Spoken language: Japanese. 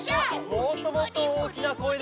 もっともっとおおきなこえで！